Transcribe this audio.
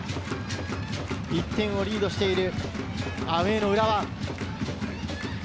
１点をリードしているアウェーの浦和。